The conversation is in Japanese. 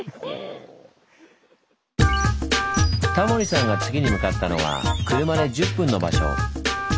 タモリさんが次に向かったのは車で１０分の場所。